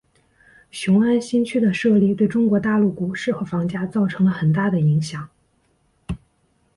雄安新区的设立对中国大陆股市和房价造成了很大的影响。